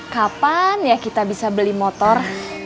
kapan ya kita bisa beli motor